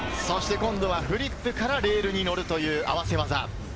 今度はフリップからレールに乗るという合わせ技。